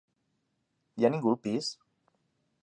Hi ha ningú al pis?